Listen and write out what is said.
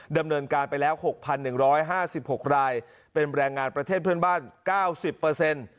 ดำเนินการไปแล้ว๖๑๕๖รายเป็นแรงงานประเทศเพื่อนบ้าน๙๐